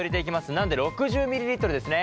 なので６０ミリリットルですね。